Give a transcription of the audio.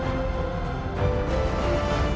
hẹn gặp lại